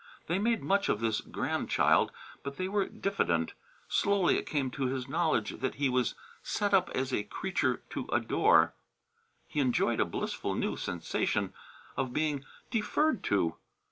They made much of this grandchild, but they were diffident. Slowly it came to his knowledge that he was set up as a creature to adore. He enjoyed a blissful new sensation of being deferred to.